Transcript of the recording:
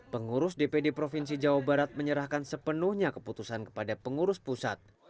pengurus dpd provinsi jawa barat menyerahkan sepenuhnya keputusan kepada pengurus pusat